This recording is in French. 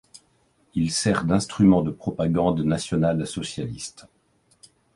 Il sert d'instrument de propagande nationale-socialiste.